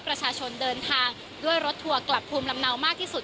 ประชาชนเดินทางด้วยรถทัวร์กลับภูมิลำเนามากที่สุด